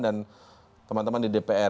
dan teman teman di dpr